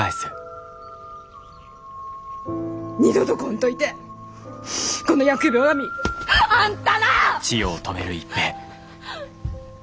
二度と来んといてこの疫病神。あんたな！